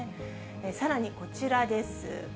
さらに、こちらです。